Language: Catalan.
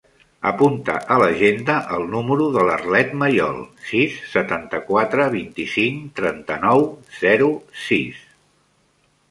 Apunta a l'agenda el número de l'Arlet Mayol: sis, setanta-quatre, vint-i-cinc, trenta-nou, zero, sis.